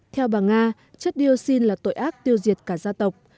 theo bà nga chất dioxin là tội ác tiêu diệt cả gia tộc